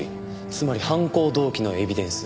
つまり犯行動機のエビデンス。